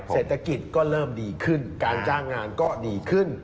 เศรษฐกิจก็เริ่มดีขึ้นการจ้างงานก็ดีขึ้น